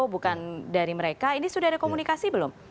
bukan dari mereka ini sudah ada komunikasi belum